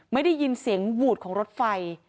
ไม่ได้ยินเสียงหวูดของรถไฟ